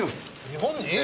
日本に！？